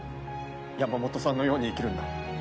山本さんのように生きるんだ。